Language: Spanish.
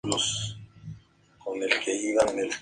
La ciudad no era más que un pueblo.